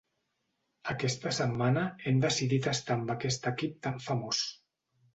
Aquesta setmana hem decidit estar amb aquest equip tan famós.